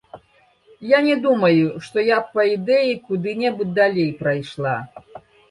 Я не думаю, што я б па ідэі куды-небудзь далей прайшла.